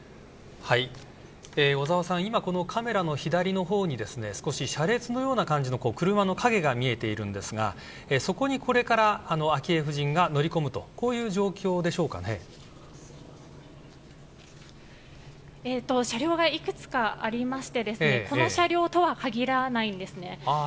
小澤さん、カメラの左のほうに車列のような感じの車の影が見えているんですがそこにこれから昭恵夫人が乗り込む車両がいくつかありましてこの車両とは限らないんですね。